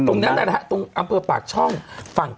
ตรงนั้นรู้ไหมฮะตรงอำเภอปากช่อง